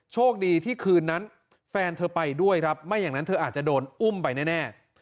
โชคดีที่คืนนั้นแฟนเธอไปด้วยครับไม่อย่างนั้นเธออาจจะโดนอุ้มไปแน่